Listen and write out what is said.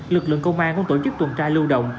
lực lượng công an cũng tổ chức tuần tra lưu động